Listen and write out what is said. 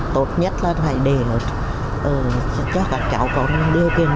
tốt nhất là phải để cho các cháu có điều kiện